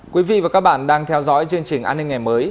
quý vị và các bạn đang theo dõi chương trình an ninh ngày mới